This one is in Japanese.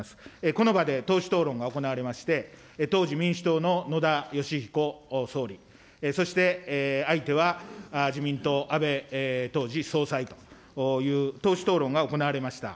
この場で党首討論が行われまして、当時、民主党の野田佳彦総理、そして相手は自民党、安倍当時総裁という党首討論が行われました。